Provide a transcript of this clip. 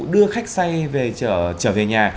đưa khách say trở về nhà